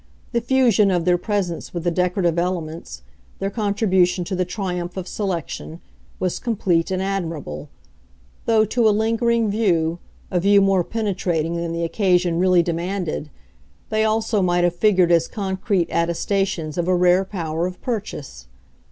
The fusion of their presence with the decorative elements, their contribution to the triumph of selection, was complete and admirable; though, to a lingering view, a view more penetrating than the occasion really demanded, they also might have figured as concrete attestations of a rare power of purchase.